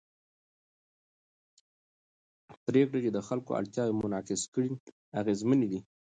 پرېکړې چې د خلکو اړتیاوې منعکس کړي اغېزمنې دي